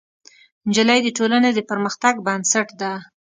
نجلۍ د ټولنې د پرمختګ بنسټ ده.